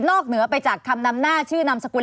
เหนือไปจากคำนำหน้าชื่อนามสกุล